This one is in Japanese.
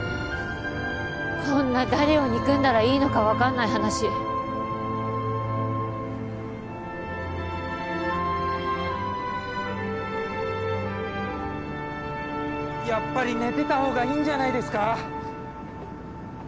こんな誰を憎んだらいいのか分かんない話やっぱり寝てたほうがいいんじゃないですか？